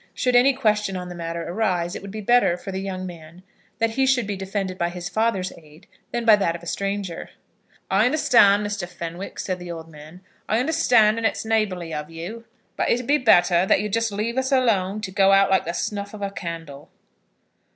Should any question on the matter arise, it would be bettor for the young man that he should be defended by his father's aid than by that of a stranger. "I understand, Mr. Fenwick," said the old man, "I understand; and it's neighbourly of you. But it'd be better that you'd just leave us alone to go out like the snuff of a candle."